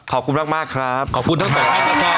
ขอบคุณมากครับขอบคุณทั้งหมด